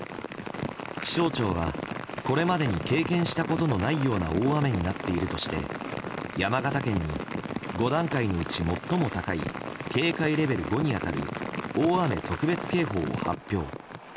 気象庁はこれまでに経験したことのないような大雨になっているとして山形県に５段階のうち最も高い警戒レベル５に当たる大雨特別警報を発表。